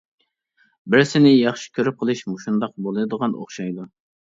بىرسىنى ياخشى كۆرۈپ قېلىش مۇشۇنداق بولىدىغان ئوخشايدۇ.